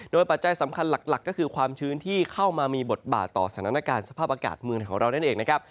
ปัจจัยสำคัญหลักก็คือความชื้นที่เข้ามามีบทบาทต่อสถานการณ์สภาพอากาศเมืองของเรานั่นเองนะครับ